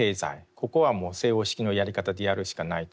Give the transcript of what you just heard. ここはもう西欧式のやり方でやるしかないと。